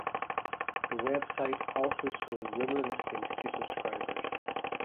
The web site also sold rumor listings to subscribers.